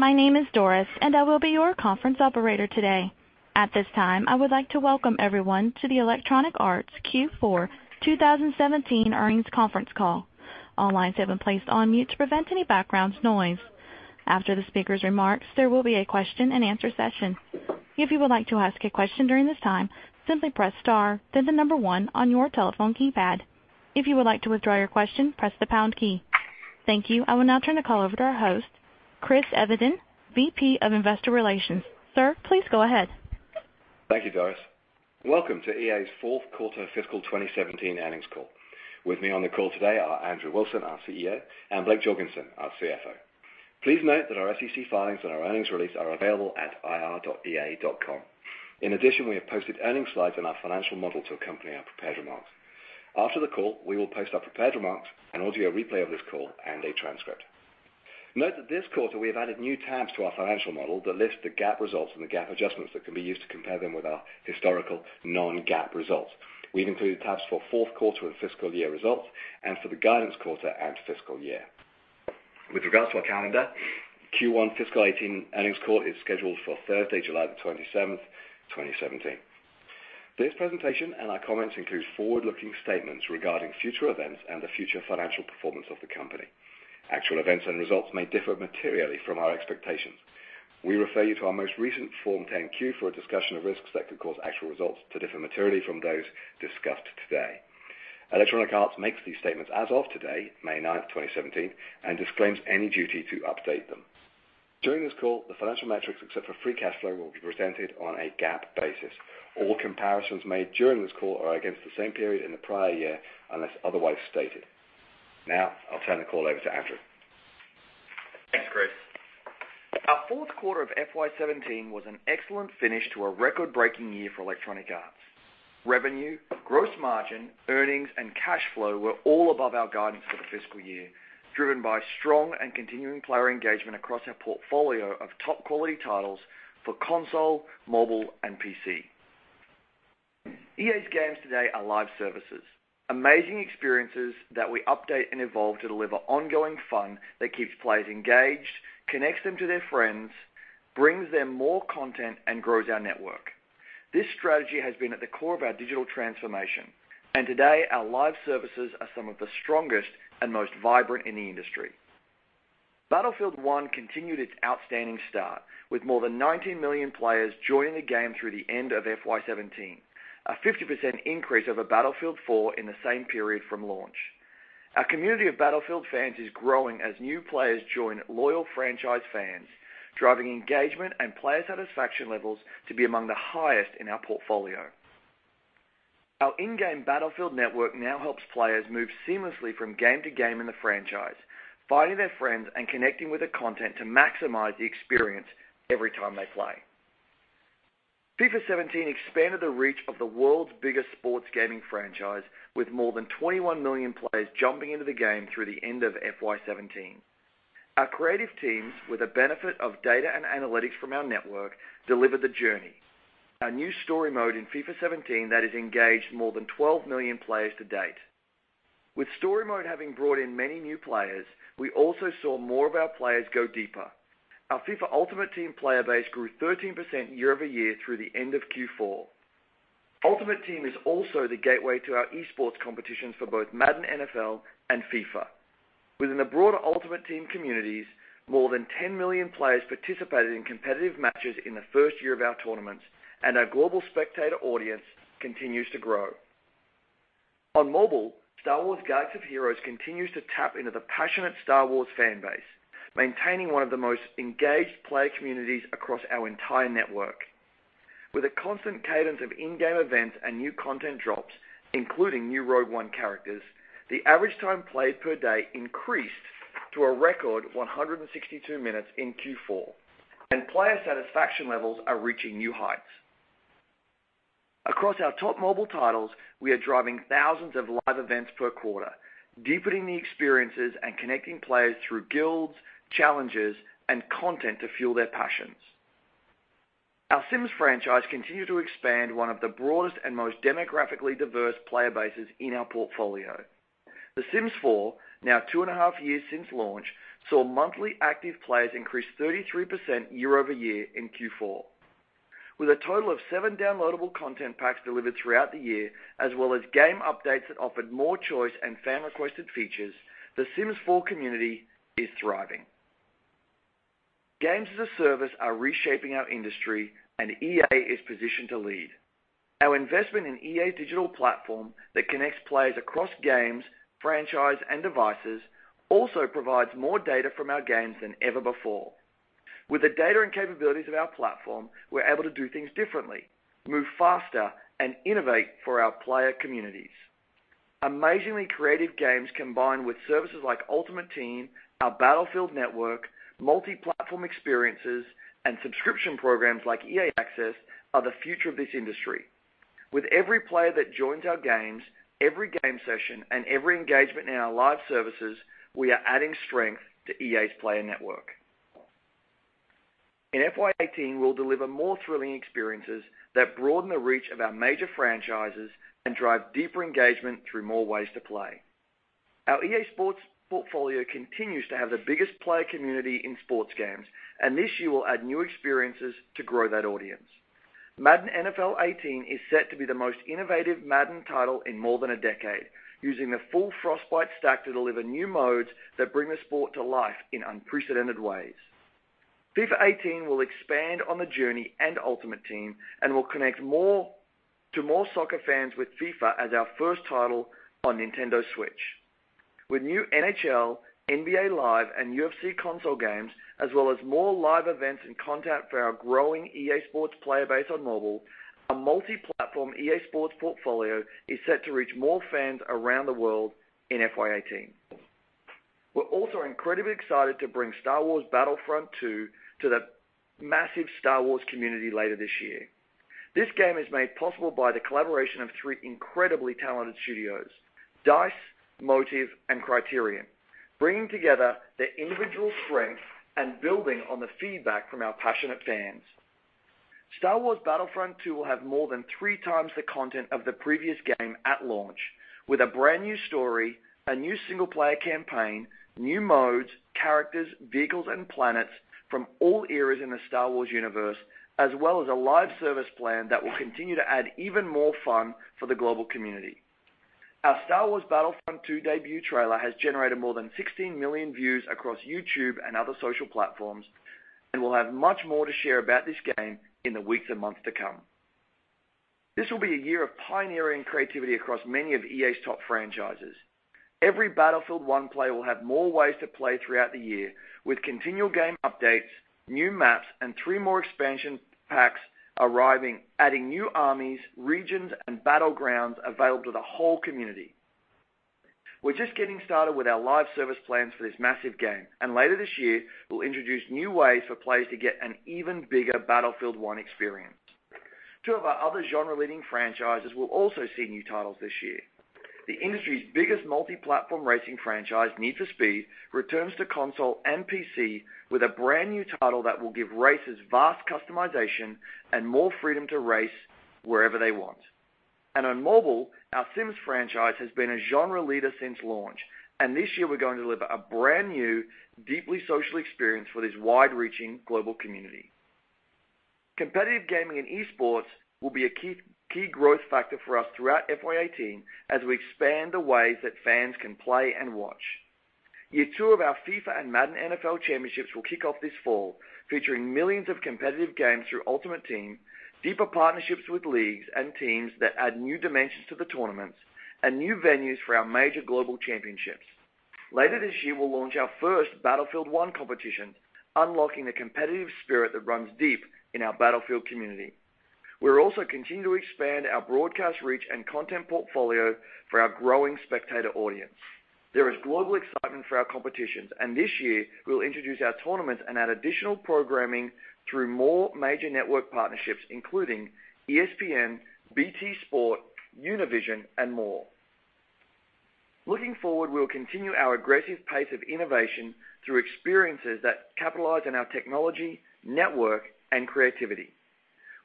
My name is Doris. I will be your conference operator today. At this time, I would like to welcome everyone to the Electronic Arts Q4 2017 earnings conference call. All lines have been placed on mute to prevent any background noise. After the speaker's remarks, there will be a question-and-answer session. If you would like to ask a question during this time, simply press star then the number one on your telephone keypad. If you would like to withdraw your question, press the pound key. Thank you. I will now turn the call over to our host, Chris Evenden, VP of Investor Relations. Sir, please go ahead. Thank you, Doris. Welcome to EA's fourth quarter fiscal 2017 earnings call. With me on the call today are Andrew Wilson, our CEO, and Blake Jorgensen, our CFO. Please note that our SEC filings and our earnings release are available at ir.ea.com. We have posted earning slides in our financial model to accompany our prepared remarks. After the call, we will post our prepared remarks, an audio replay of this call, and a transcript. This quarter, we have added new tabs to our financial model that list the GAAP results and the GAAP adjustments that can be used to compare them with our historical non-GAAP results. We have included tabs for fourth quarter and fiscal year results, and for the guidance quarter and fiscal year. Q1 fiscal 2018 earnings call is scheduled for Thursday, July 27th, 2017. This presentation and our comments include forward-looking statements regarding future events and the future financial performance of the company. Actual events and results may differ materially from our expectations. We refer you to our most recent Form 10-Q for a discussion of risks that could cause actual results to differ materially from those discussed today. Electronic Arts makes these statements as of today, May 9th, 2017, and disclaims any duty to update them. During this call, the financial metrics, except for free cash flow, will be presented on a GAAP basis. All comparisons made during this call are against the same period in the prior year, unless otherwise stated. I will turn the call over to Andrew. Thanks, Chris. Our fourth quarter of FY 2017 was an excellent finish to a record-breaking year for Electronic Arts. Revenue, gross margin, earnings, and cash flow were all above our guidance for the fiscal year, driven by strong and continuing player engagement across our portfolio of top-quality titles for console, mobile, and PC. EA's games today are live services, amazing experiences that we update and evolve to deliver ongoing fun that keeps players engaged, connects them to their friends, brings them more content, and grows our network. This strategy has been at the core of our digital transformation. Today, our live services are some of the strongest and most vibrant in the industry. Battlefield 1 continued its outstanding start, with more than 19 million players joining the game through the end of FY 2017, a 50% increase over Battlefield 4 in the same period from launch. Our community of Battlefield fans is growing as new players join loyal franchise fans, driving engagement and player satisfaction levels to be among the highest in our portfolio. Our in-game Battlefield Network now helps players move seamlessly from game to game in the franchise, finding their friends and connecting with the content to maximize the experience every time they play. FIFA 17 expanded the reach of the world's biggest sports gaming franchise, with more than 21 million players jumping into the game through the end of FY 2017. Our creative teams, with the benefit of data and analytics from our network, delivered The Journey, a new story mode in FIFA 17 that has engaged more than 12 million players to date. With story mode having brought in many new players, we also saw more of our players go deeper. Our FIFA Ultimate Team player base grew 13% year-over-year through the end of Q4. Ultimate Team is also the gateway to our esports competitions for both Madden NFL and FIFA. Within the broader Ultimate Team communities, more than 10 million players participated in competitive matches in the first year of our tournaments, and our global spectator audience continues to grow. On mobile, Star Wars: Galaxy of Heroes continues to tap into the passionate Star Wars fan base, maintaining one of the most engaged player communities across our entire network. With a constant cadence of in-game events and new content drops, including new Rogue One characters, the average time played per day increased to a record 162 minutes in Q4, and player satisfaction levels are reaching new heights. Across our top mobile titles, we are driving thousands of live events per quarter, deepening the experiences and connecting players through guilds, challenges, and content to fuel their passions. Our The Sims franchise continue to expand one of the broadest and most demographically diverse player bases in our portfolio. The Sims 4, now two and a half years since launch, saw monthly active players increase 33% year-over-year in Q4. With a total of seven downloadable content packs delivered throughout the year, as well as game updates that offered more choice and fan-requested features, The Sims 4 community is thriving. Games as a service are reshaping our industry, and EA is positioned to lead. Our investment in EA's digital platform that connects players across games, franchise, and devices also provides more data from our games than ever before. With the data and capabilities of our platform, we're able to do things differently, move faster, and innovate for our player communities. Amazingly creative games combined with services like Ultimate Team, our Battlefield Network, multi-platform experiences, and subscription programs like EA Access are the future of this industry. With every player that joins our games, every game session, and every engagement in our live services, we are adding strength to EA's Player Network. In FY 2018, we'll deliver more thrilling experiences that broaden the reach of our major franchises and drive deeper engagement through more ways to play. Our EA Sports portfolio continues to have the biggest player community in sports games, and this year we'll add new experiences to grow that audience. Madden NFL 18 is set to be the most innovative Madden title in more than a decade, using the full Frostbite stack to deliver new modes that bring the sport to life in unprecedented ways. FIFA 18 will expand on The Journey and Ultimate Team and will connect to more soccer fans with FIFA as our first title on Nintendo Switch. With new NHL, NBA Live, and UFC console games, as well as more live events and content for our growing EA Sports player base on mobile, our multi-platform EA Sports portfolio is set to reach more fans around the world in FY 2018. We're also incredibly excited to bring Star Wars Battlefront II to the massive Star Wars community later this year. This game is made possible by the collaboration of three incredibly talented studios: DICE, Motive, and Criterion, bringing together their individual strengths and building on the feedback from our passionate fans. Star Wars Battlefront II will have more than three times the content of the previous game at launch, with a brand-new story, a new single-player campaign, new modes, characters, vehicles, and planets from all eras in the Star Wars universe, as well as a live service plan that will continue to add even more fun for the global community. Our Star Wars Battlefront II debut trailer has generated more than 16 million views across YouTube and other social platforms, and we'll have much more to share about this game in the weeks and months to come. This will be a year of pioneering creativity across many of EA's top franchises. Every Battlefield 1 play will have more ways to play throughout the year with continual game updates, new maps, and three more expansion packs arriving, adding new armies, regions, and battlegrounds available to the whole community. We're just getting started with our live service plans for this massive game, and later this year, we'll introduce new ways for players to get an even bigger Battlefield 1 experience. Two of our other genre-leading franchises will also see new titles this year. The industry's biggest multi-platform racing franchise, Need for Speed, returns to console and PC with a brand-new title that will give racers vast customization and more freedom to race wherever they want. On mobile, our Sims franchise has been a genre leader since launch, and this year we're going to deliver a brand-new, deeply social experience for this wide-reaching global community. Competitive gaming and esports will be a key growth factor for us throughout FY 2018 as we expand the ways that fans can play and watch. Year two of our FIFA and Madden NFL championships will kick off this fall, featuring millions of competitive games through Ultimate Team, deeper partnerships with leagues and teams that add new dimensions to the tournaments, and new venues for our major global championships. Later this year, we'll launch our first Battlefield 1 competition, unlocking the competitive spirit that runs deep in our Battlefield community. We'll also continue to expand our broadcast reach and content portfolio for our growing spectator audience. There is global excitement for our competitions, this year we'll introduce our tournaments and add additional programming through more major network partnerships, including ESPN, BT Sport, Univision, and more. Looking forward, we'll continue our aggressive pace of innovation through experiences that capitalize on our technology, network, and creativity.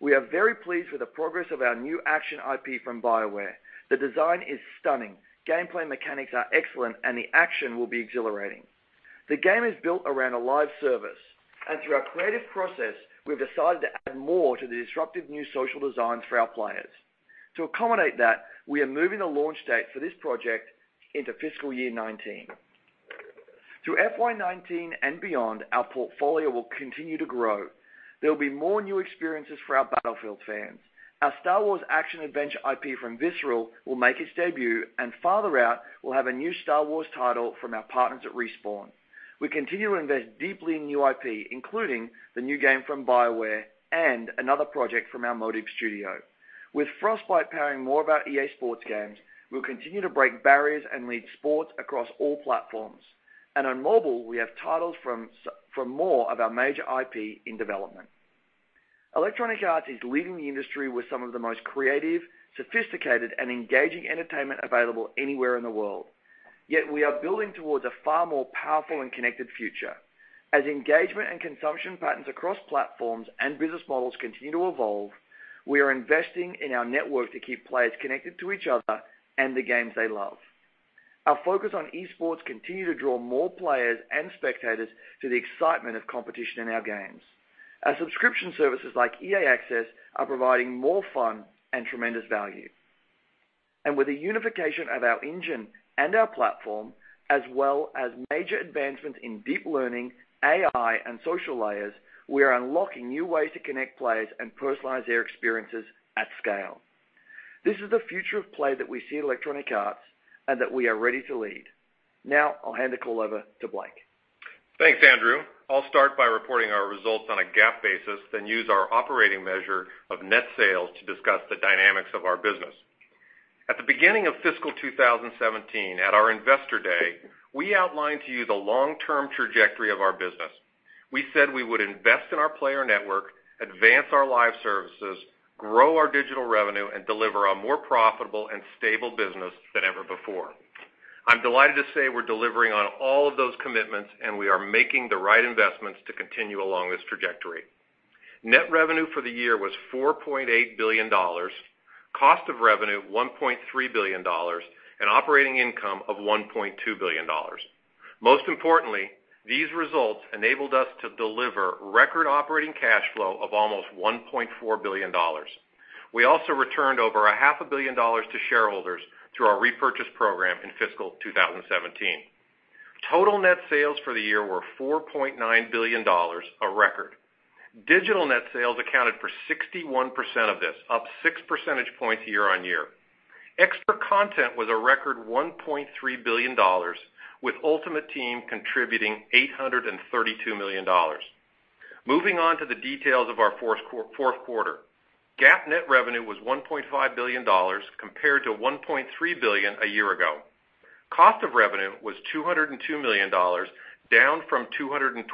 We are very pleased with the progress of our new action IP from BioWare. The design is stunning, gameplay mechanics are excellent, and the action will be exhilarating. The game is built around a live service, and through our creative process, we've decided to add more to the disruptive new social designs for our players. To accommodate that, we are moving the launch date for this project into fiscal year 2019. Through FY 2019 and beyond, our portfolio will continue to grow. There will be more new experiences for our Battlefield fans. Our Star Wars action-adventure IP from Visceral will make its debut, and farther out, we'll have a new Star Wars title from our partners at Respawn. We continue to invest deeply in new IP, including the new game from BioWare and another project from our Motive Studio. With Frostbite powering more of our EA Sports games, we'll continue to break barriers and lead sports across all platforms. On mobile, we have titles from more of our major IP in development. Electronic Arts is leading the industry with some of the most creative, sophisticated, and engaging entertainment available anywhere in the world. We are building towards a far more powerful and connected future. As engagement and consumption patterns across platforms and business models continue to evolve, we are investing in our network to keep players connected to each other and the games they love. Our focus on e-sports continue to draw more players and spectators to the excitement of competition in our games. Our subscription services like EA Access are providing more fun and tremendous value. With the unification of our engine and our platform, as well as major advancements in deep learning, AI, and social layers, we are unlocking new ways to connect players and personalize their experiences at scale. This is the future of play that we see at Electronic Arts and that we are ready to lead. Now, I'll hand the call over to Blake. Thanks, Andrew. I'll start by reporting our results on a GAAP basis, then use our operating measure of net sales to discuss the dynamics of our business. At the beginning of fiscal 2017, at our investor day, we outlined to you the long-term trajectory of our business. We said we would invest in our player network, advance our live services, grow our digital revenue, and deliver a more profitable and stable business than ever before. I'm delighted to say we're delivering on all of those commitments. We are making the right investments to continue along this trajectory. Net revenue for the year was $4.8 billion. Cost of revenue, $1.3 billion, and operating income of $1.2 billion. Most importantly, these results enabled us to deliver record operating cash flow of almost $1.4 billion. We also returned over a half a billion dollars to shareholders through our repurchase program in fiscal 2017. Total net sales for the year were $4.9 billion, a record. Digital net sales accounted for 61% of this, up six percentage points year-on-year. Extra content was a record $1.3 billion, with Ultimate Team contributing $832 million. Moving on to the details of our fourth quarter. GAAP net revenue was $1.5 billion compared to $1.3 billion a year ago. Cost of revenue was $202 million, down from $226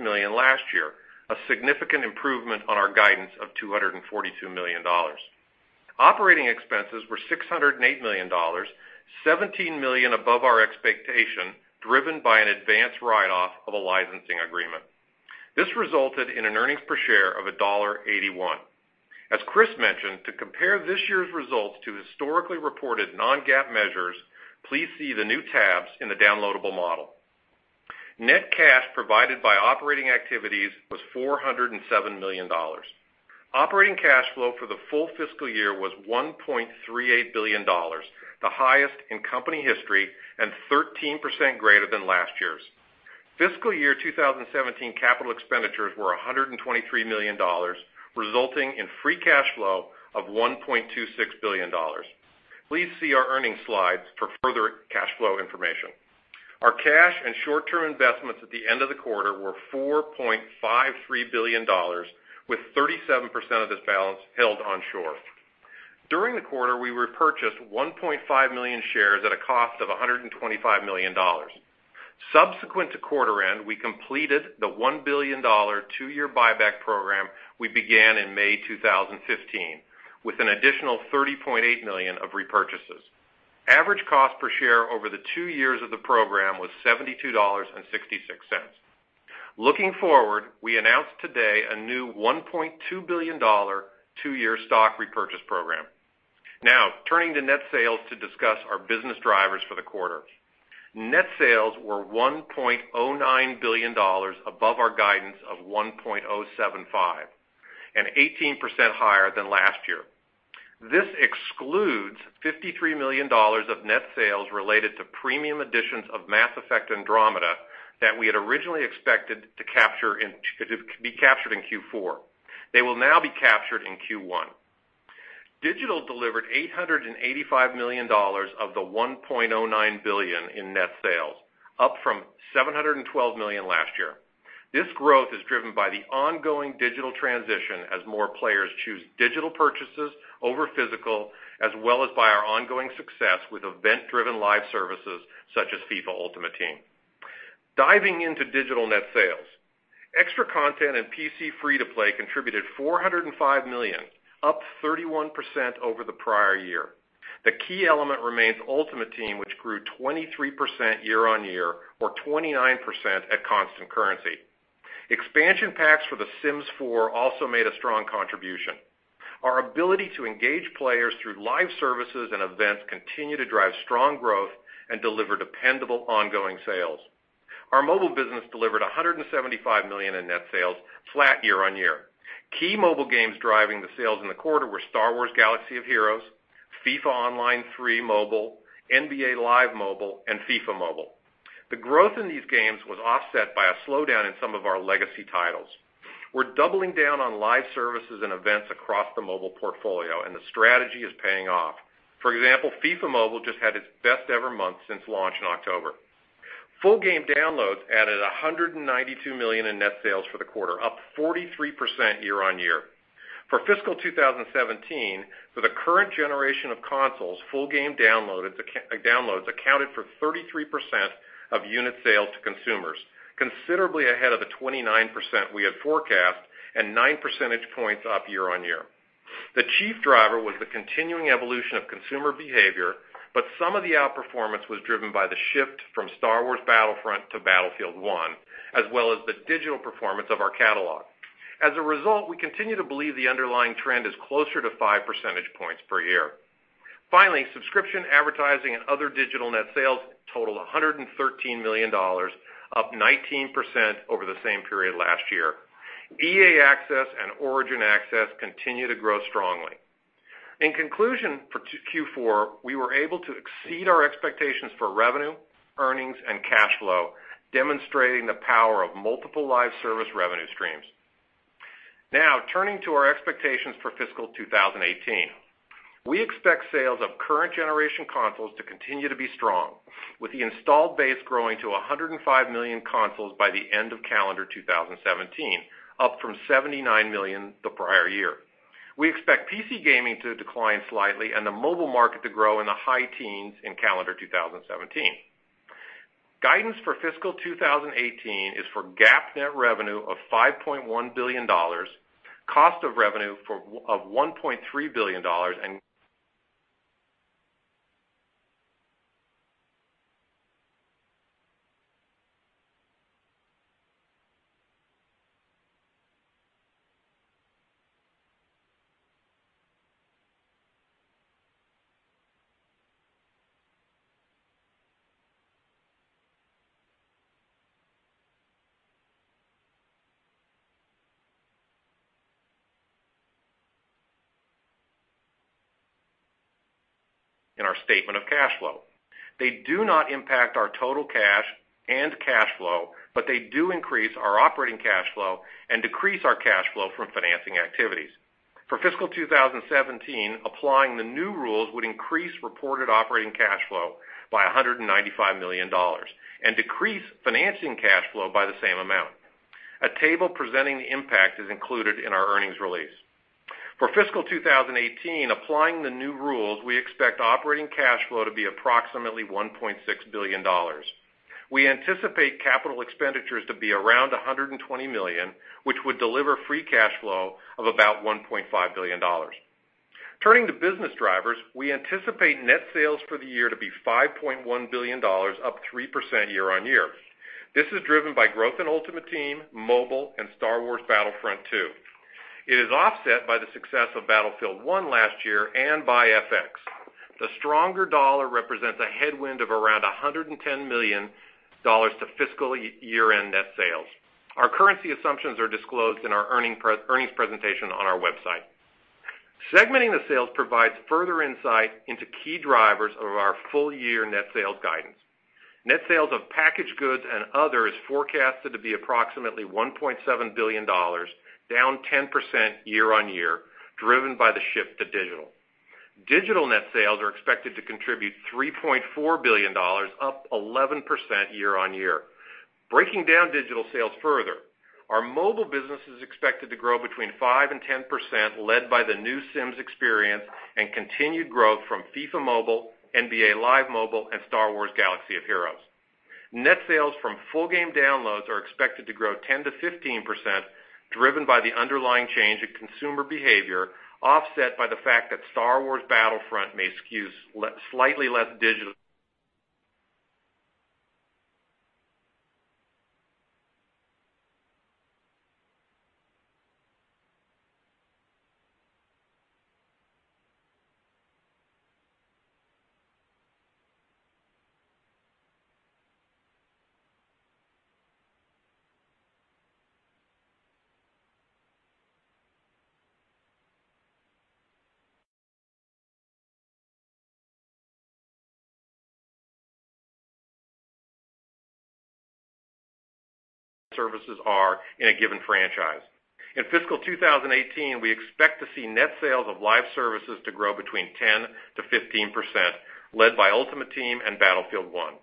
million last year, a significant improvement on our guidance of $242 million. Operating expenses were $608 million, $17 million above our expectation, driven by an advance write-off of a licensing agreement. This resulted in an earnings per share of $1.81. As Chris mentioned, to compare this year's results to historically reported non-GAAP measures, please see the new tabs in the downloadable model. Net cash provided by operating activities was $407 million. Operating cash flow for the full fiscal year was $1.38 billion, the highest in company history, and 13% greater than last year's. Fiscal year 2017 capital expenditures were $123 million, resulting in free cash flow of $1.26 billion. Please see our earnings slides for further cash flow information. Our cash and short-term investments at the end of the quarter were $4.53 billion, with 37% of this balance held onshore. During the quarter, we repurchased 1.5 million shares at a cost of $125 million. Subsequent to quarter end, we completed the $1 billion, two-year buyback program we began in May 2015, with an additional 30.8 million of repurchases. Average cost per share over the two years of the program was $72.66. Looking forward, we announced today a new $1.2 billion, two-year stock repurchase program. Turning to net sales to discuss our business drivers for the quarter. Net sales were $1.09 billion, above our guidance of $1.075 billion, and 18% higher than last year. This excludes $53 million of net sales related to premium editions of Mass Effect: Andromeda that we had originally expected to be captured in Q4. They will now be captured in Q1. Digital delivered $885 million of the $1.09 billion in net sales, up from $712 million last year. This growth is driven by the ongoing digital transition as more players choose digital purchases over physical, as well as by our ongoing success with event-driven live services such as FIFA Ultimate Team. Diving into digital net sales, extra content and PC free-to-play contributed $405 million, up 31% over the prior year. The key element remains Ultimate Team, which grew 23% year-on-year, or 29% at constant currency. Expansion packs for The Sims 4 also made a strong contribution. Our ability to engage players through live services and events continue to drive strong growth and deliver dependable ongoing sales. Our mobile business delivered $175 million in net sales, flat year-on-year. Key mobile games driving the sales in the quarter were Star Wars: Galaxy of Heroes, FIFA Online 3 Mobile, NBA Live Mobile, and FIFA Mobile. The growth in these games was offset by a slowdown in some of our legacy titles. We're doubling down on live services and events across the mobile portfolio, and the strategy is paying off. For example, FIFA Mobile just had its best ever month since launch in October. Full game downloads added $192 million in net sales for the quarter, up 43% year-on-year. For fiscal 2017, for the current generation of consoles, full game downloads accounted for 33% of unit sales to consumers, considerably ahead of the 29% we had forecast and nine percentage points up year-over-year. The chief driver was the continuing evolution of consumer behavior, but some of the outperformance was driven by the shift from Star Wars Battlefront to Battlefield 1, as well as the digital performance of our catalog. As a result, we continue to believe the underlying trend is closer to five percentage points per year. Finally, subscription advertising and other digital net sales totaled $113 million, up 19% over the same period last year. EA Access and Origin Access continue to grow strongly. In conclusion, for Q4, we were able to exceed our expectations for revenue, earnings, and cash flow, demonstrating the power of multiple live service revenue streams. Turning to our expectations for fiscal 2018. We expect sales of current generation consoles to continue to be strong, with the installed base growing to 105 million consoles by the end of calendar 2017, up from 79 million the prior year. We expect PC gaming to decline slightly and the mobile market to grow in the high teens in calendar 2017. Guidance for fiscal 2018 is for GAAP net revenue of $5.1 billion, cost of revenue of $1.3 billion. They do not impact our total cash and cash flow, but they do increase our operating cash flow and decrease our cash flow from financing activities. For fiscal 2017, applying the new rules would increase reported operating cash flow by $195 million and decrease financing cash flow by the same amount. A table presenting the impact is included in our earnings release. For fiscal 2018, applying the new rules, we expect operating cash flow to be approximately $1.6 billion. We anticipate capital expenditures to be around $120 million, which would deliver free cash flow of about $1.5 billion. Turning to business drivers, we anticipate net sales for the year to be $5.1 billion, up 3% year-over-year. This is driven by growth in Ultimate Team, mobile, and Star Wars Battlefront II. It is offset by the success of Battlefield 1 last year and by FX. The stronger dollar represents a headwind of around $110 million to fiscal year-end net sales. Our currency assumptions are disclosed in our earnings presentation on our website. Segmenting the sales provides further insight into key drivers of our full year net sales guidance. Net sales of packaged goods and others forecasted to be approximately $1.7 billion, down 10% year-over-year, driven by the shift to digital. Digital net sales are expected to contribute $3.4 billion, up 11% year-over-year. Breaking down digital sales further, our mobile business is expected to grow between 5% and 10%, led by the new Sims experience and continued growth from FIFA Mobile, NBA Live Mobile and Star Wars: Galaxy of Heroes. Net sales from full game downloads are expected to grow 10%-15%, driven by the underlying change in consumer behavior, offset by the fact that Star Wars Battlefront may skew slightly less digital. Services are in a given franchise. In fiscal 2018, we expect to see net sales of live services to grow between 10%-15%, led by Ultimate Team and Battlefield 1.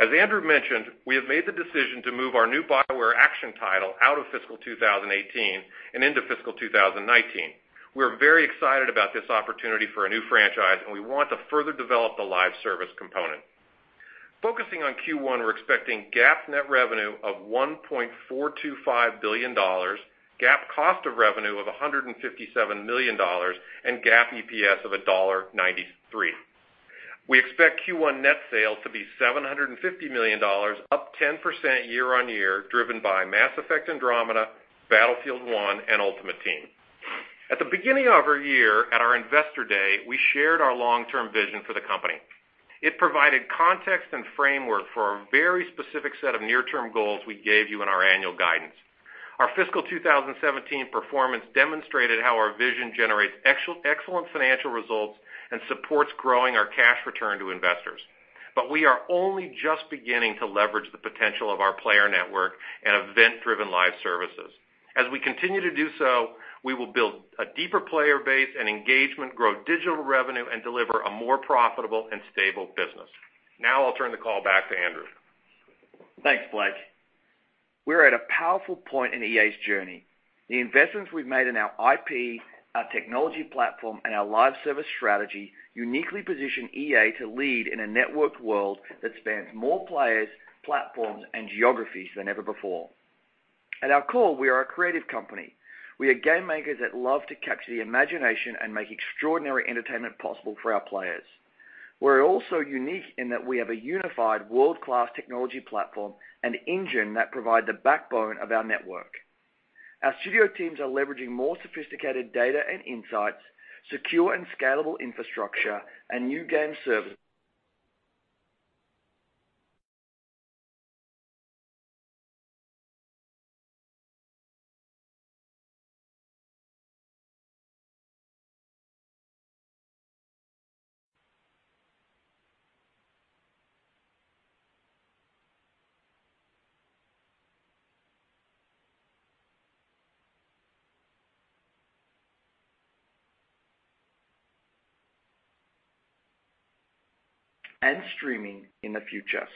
As Andrew mentioned, we have made the decision to move our new BioWare action title out of fiscal 2018 and into fiscal 2019. We're very excited about this opportunity for a new franchise, and we want to further develop the live service component. Focusing on Q1, we're expecting GAAP net revenue of $1.425 billion, GAAP cost of revenue of $157 million, and GAAP EPS of $1.93. We expect Q1 net sales to be $750 million, up 10% year-on-year, driven by Mass Effect Andromeda, Battlefield 1, and Ultimate Team. At the beginning of our year at our Investor Day, we shared our long-term vision for the company. It provided context and framework for a very specific set of near-term goals we gave you in our annual guidance. Our fiscal 2017 performance demonstrated how our vision generates excellent financial results and supports growing our cash return to investors. We are only just beginning to leverage the potential of our player network and event-driven live services. As we continue to do so, we will build a deeper player base and engagement, grow digital revenue, and deliver a more profitable and stable business. Now I'll turn the call back to Andrew. Thanks, Blake. We're at a powerful point in EA's journey. The investments we've made in our IP, our technology platform, and our live service strategy uniquely position EA to lead in a networked world that spans more players, platforms, and geographies than ever before. At our core, we are a creative company. We are game makers that love to capture the imagination and make extraordinary entertainment possible for our players. We're also unique in that we have a unified world-class technology platform and engine that provide the backbone of our network. Our studio teams are leveraging more sophisticated data and insights, secure and scalable infrastructure and new game service and streaming in the future.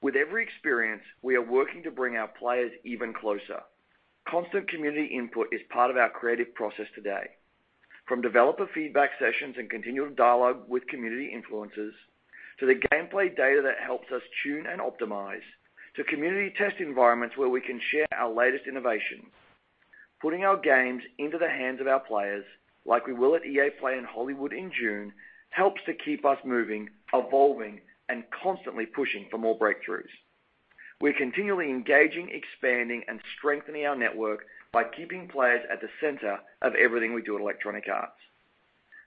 With every experience, we are working to bring our players even closer. Constant community input is part of our creative process today. From developer feedback sessions and continual dialogue with community influencers, to the gameplay data that helps us tune and optimize, to community test environments where we can share our latest innovations. Putting our games into the hands of our players, like we will at EA Play in Hollywood in June, helps to keep us moving, evolving, and constantly pushing for more breakthroughs. We're continually engaging, expanding, and strengthening our network by keeping players at the center of everything we do at Electronic Arts.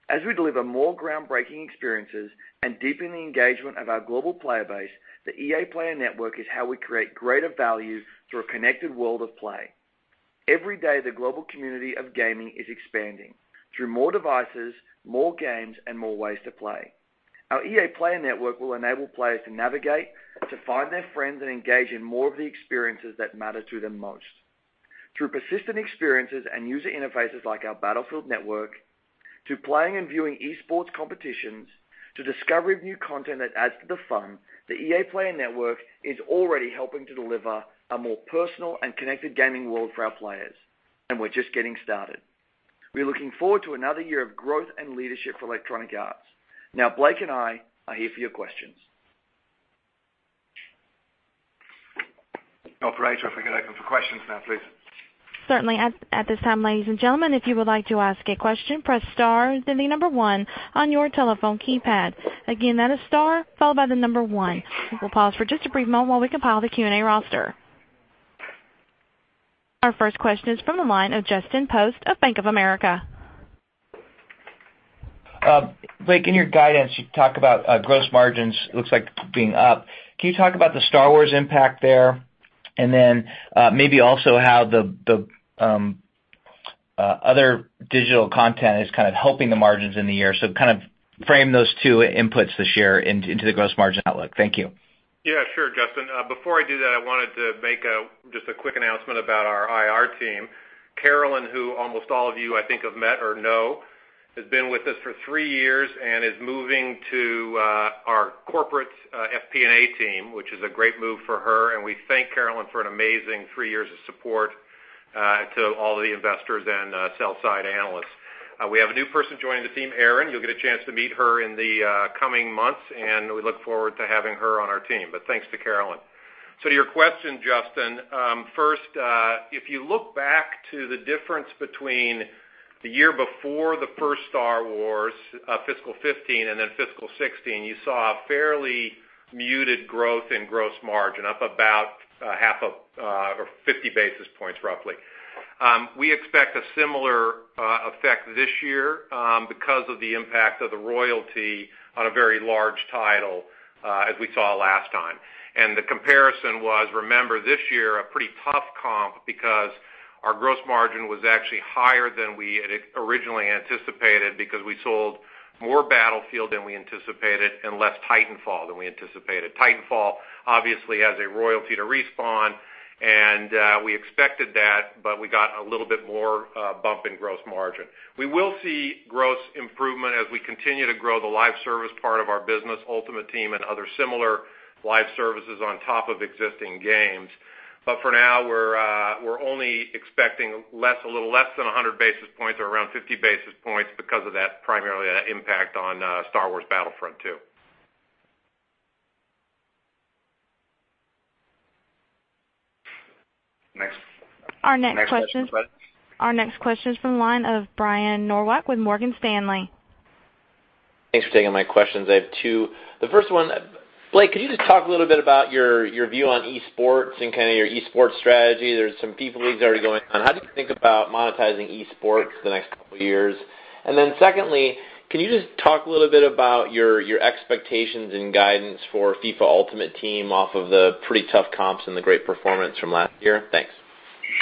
As we deliver more groundbreaking experiences and deepen the engagement of our global player base, the EA Player Network is how we create greater value through a connected world of play. Every day, the global community of gaming is expanding through more devices, more games, and more ways to play. Our EA Player Network will enable players to navigate, to find their friends, and engage in more of the experiences that matter to them most. Through persistent experiences and user interfaces like our Battlefield Network, to playing and viewing esports competitions, to discovery of new content that adds to the fun, the EA Player Network is already helping to deliver a more personal and connected gaming world for our players, and we're just getting started. We're looking forward to another year of growth and leadership for Electronic Arts. Blake and I are here for your questions. Operator, if we could open for questions now, please. Certainly. At this time, ladies and gentlemen, if you would like to ask a question, press star then the number 1 on your telephone keypad. Again, that is star followed by the number 1. We'll pause for just a brief moment while we compile the Q&A roster. Our first question is from the line of Justin Post of Bank of America. Blake, in your guidance, you talk about gross margins, looks like being up. Can you talk about the Star Wars impact there? Then maybe also how the other digital content is kind of helping the margins in the year. Kind of frame those two inputs this year into the gross margin outlook. Thank you. Sure, Justin. Before I do that, I wanted to make just a quick announcement about our IR team. Carolyn, who almost all of you I think have met or know, has been with us for three years and is moving to our corporate FP&A team, which is a great move for her, and we thank Carolyn for an amazing three years of support to all the investors and sell-side analysts. We have a new person joining the team, Erin. You'll get a chance to meet her in the coming months, and we look forward to having her on our team. Thanks to Carolyn. To your question, Justin, first, if you look back to the difference between the year before the first Star Wars, fiscal 2015 and then fiscal 2016, you saw a fairly muted growth in gross margin, up about half of or 50 basis points roughly. We expect a similar effect this year because of the impact of the royalty on a very large title as we saw last time. The comparison was, remember, this year a pretty tough comp because our gross margin was actually higher than we had originally anticipated because we sold more Battlefield than we anticipated and less Titanfall than we anticipated. Titanfall obviously has a royalty to Respawn, and we expected that, but we got a little bit more bump in gross margin. We will see gross improvement as we continue to grow the live service part of our business, Ultimate Team and other similar live services on top of existing games. For now, we're only expecting a little less than 100 basis points or around 50 basis points because of that, primarily that impact on Star Wars Battlefront II. Next. Our next question- Next question please. Our next question is from the line of Brian Nowak with Morgan Stanley. Thanks for taking my questions. I have two. The first one, Blake, could you just talk a little bit about your view on esports and kind of your esports strategy? There's some FIFA leagues already going on. How do you think about monetizing esports the next couple of years? Secondly, can you just talk a little bit about your expectations and guidance for FIFA Ultimate Team off of the pretty tough comps and the great performance from last year? Thanks.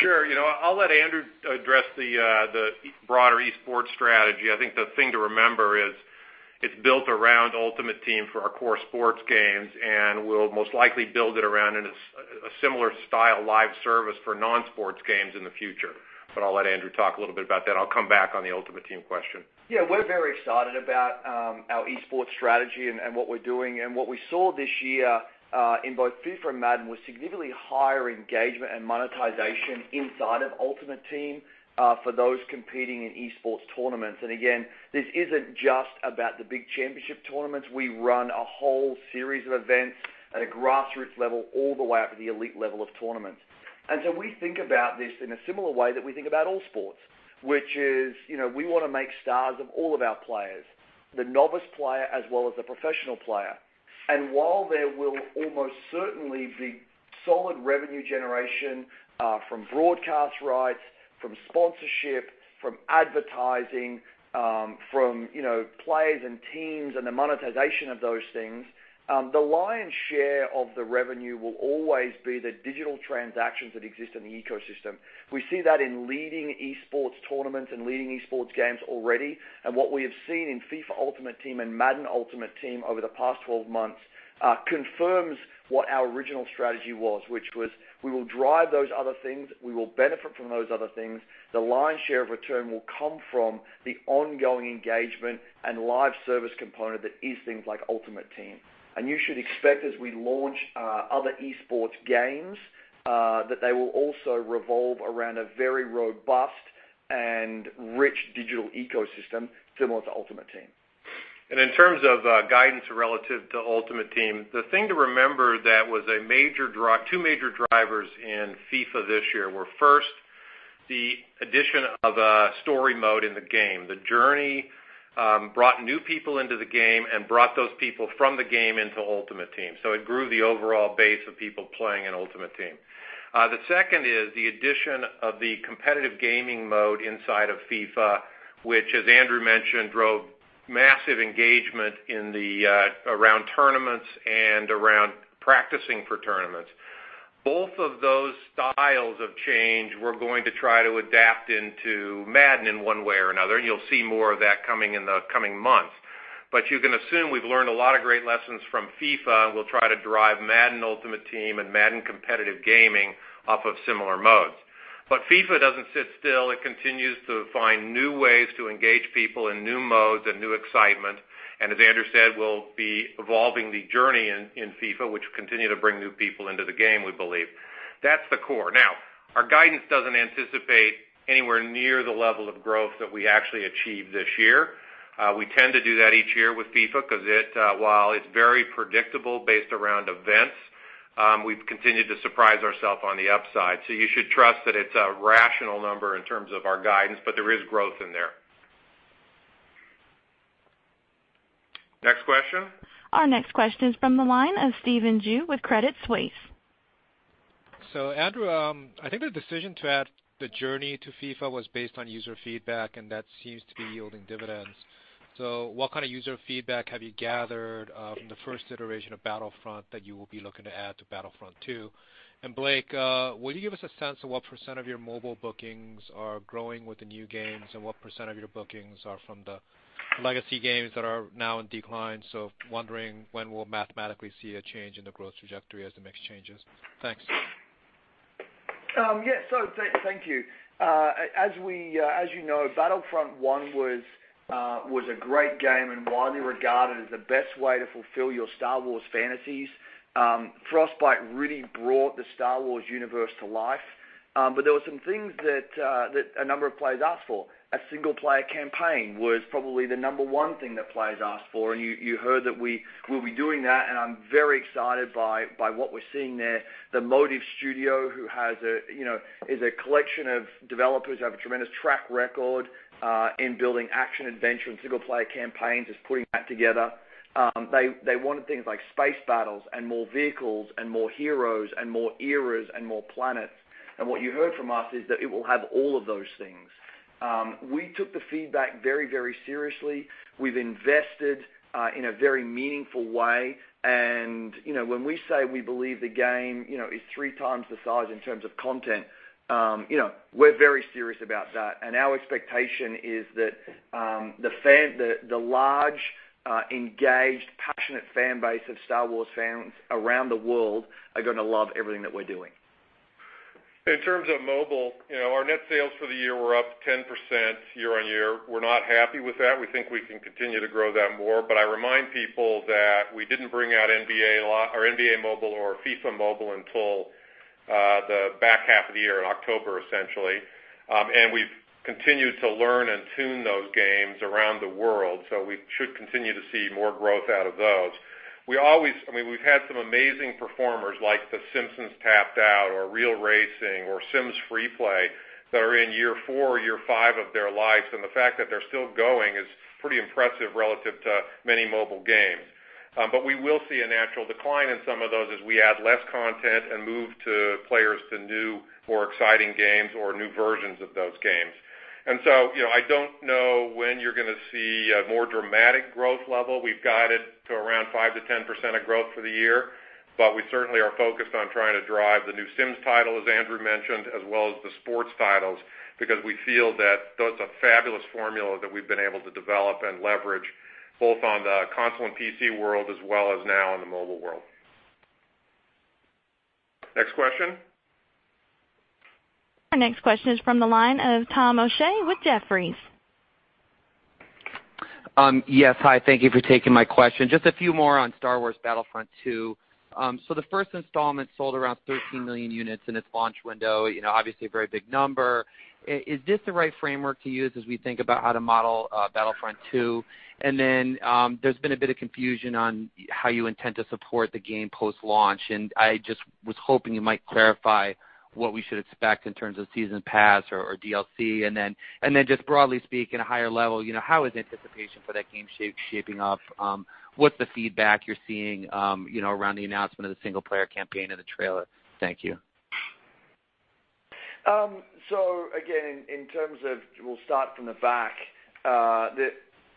Sure. I'll let Andrew address the broader esports strategy. I think the thing to remember is it's built around Ultimate Team for our core sports games, and we'll most likely build it around in a similar style live service for non-sports games in the future. I'll let Andrew talk a little bit about that. I'll come back on the Ultimate Team question. Yeah. We're very excited about our esports strategy and what we're doing. What we saw this year, in both FIFA and Madden, was significantly higher engagement and monetization inside of Ultimate Team for those competing in esports tournaments. Again, this isn't just about the big championship tournaments. We run a whole series of events at a grassroots level all the way up to the elite level of tournaments. We think about this in a similar way that we think about all sports. Which is we want to make stars of all of our players, the novice player as well as the professional player. While there will almost certainly be solid revenue generation from broadcast rights, from sponsorship, from advertising, from players and teams and the monetization of those things, the lion's share of the revenue will always be the digital transactions that exist in the ecosystem. We see that in leading esports tournaments and leading esports games already. What we have seen in FIFA Ultimate Team and Madden Ultimate Team over the past 12 months confirms what our original strategy was, which was we will drive those other things, we will benefit from those other things. The lion's share of return will come from the ongoing engagement and live service component that is things like Ultimate Team. You should expect as we launch other esports games, that they will also revolve around a very robust and rich digital ecosystem similar to Ultimate Team. In terms of guidance relative to Ultimate Team, the thing to remember that was two major drivers in FIFA this year were first, the addition of a story mode in the game. The Journey brought new people into the game and brought those people from the game into Ultimate Team. It grew the overall base of people playing in Ultimate Team. The second is the addition of the competitive gaming mode inside of FIFA, which as Andrew mentioned, drove massive engagement around tournaments and around practicing for tournaments. Both of those styles of change, we're going to try to adapt into Madden in one way or another, and you'll see more of that coming in the coming months. You can assume we've learned a lot of great lessons from FIFA, and we'll try to drive Madden Ultimate Team and Madden competitive gaming off of similar modes. FIFA doesn't sit still. It continues to find new ways to engage people in new modes and new excitement. As Andrew said, we'll be evolving The Journey in FIFA, which will continue to bring new people into the game, we believe. That's the core. Now, our guidance doesn't anticipate anywhere near the level of growth that we actually achieved this year. We tend to do that each year with FIFA because while it's very predictable based around events, we've continued to surprise ourselves on the upside. You should trust that it's a rational number in terms of our guidance, but there is growth in there. Next question. Our next question is from the line of Stephen Ju with Credit Suisse. Andrew, I think the decision to add The Journey to FIFA was based on user feedback, and that seems to be yielding dividends. What kind of user feedback have you gathered from the first iteration of Battlefront that you will be looking to add to Battlefront II? Blake, will you give us a sense of what % of your mobile bookings are growing with the new games and what % of your bookings are from the legacy games that are now in decline? Wondering when we'll mathematically see a change in the growth trajectory as the mix changes. Thanks. Yes. Thank you. As you know, Battlefront I was a great game and widely regarded as the best way to fulfill your Star Wars fantasies. Frostbite really brought the Star Wars universe to life. There were some things that a number of players asked for. A single-player campaign was probably the number one thing that players asked for, and you heard that we will be doing that, and I'm very excited by what we're seeing there. The Motive Studio is a collection of developers who have a tremendous track record in building action, adventure, and single-player campaigns, is putting that together. They wanted things like space battles and more vehicles and more heroes and more eras and more planets. What you heard from us is that it will have all of those things. We took the feedback very seriously. We've invested in a very meaningful way, and when we say we believe the game is three times the size in terms of content, we're very serious about that. Our expectation is that the large engaged, passionate fan base of Star Wars fans around the world are going to love everything that we're doing. In terms of mobile, our net sales for the year were up 10% year-over-year. We're not happy with that. We think we can continue to grow that more. I remind people that we didn't bring out NBA Mobile or FIFA Mobile until the back half of the year, in October, essentially. We've continued to learn and tune those games around the world. We should continue to see more growth out of those. We've had some amazing performers like The Simpsons: Tapped Out or Real Racing or The Sims FreePlay that are in year four or year five of their lives, and the fact that they're still going is pretty impressive relative to many mobile games. We will see a natural decline in some of those as we add less content and move players to new, more exciting games or new versions of those games. I don't know when you're going to see a more dramatic growth level. We've guided to around 5%-10% of growth for the year, but we certainly are focused on trying to drive the new Sims title, as Andrew mentioned, as well as the sports titles, because we feel that that's a fabulous formula that we've been able to develop and leverage both on the console and PC world as well as now in the mobile world. Next question. Our next question is from the line of Timothy O'Shea with Jefferies. Yes, hi. Thank you for taking my question. Just a few more on Star Wars Battlefront II. The first installment sold around 13 million units in its launch window. Obviously a very big number. Is this the right framework to use as we think about how to model Battlefront II? There's been a bit of confusion on how you intend to support the game post-launch, and I just was hoping you might clarify what we should expect in terms of season pass or DLC. Just broadly speaking at a higher level, how is anticipation for that game shaping up? What's the feedback you're seeing around the announcement of the single-player campaign and the trailer? Thank you. Again, we'll start from the back.